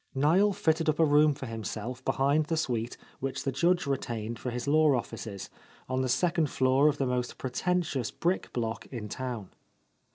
Niel fitted up a room for himself behind the suite which the Judge retained for his law offices, on the second floor of the most pretentious brick block in town.